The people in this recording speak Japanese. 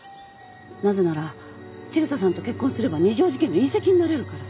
なぜなら千草さんと結婚すれば二条路家の姻戚になれるから。